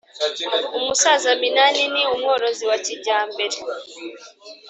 umusaza minani ni umworozi wa kijyambere